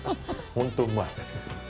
本当うまい。